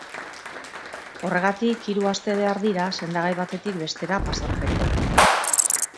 Horregatik hiru aste behar dira sendagai batetik bestera pasatzeko.